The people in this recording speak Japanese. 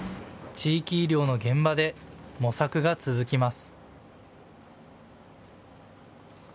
地域医療の現場で模索が続きます。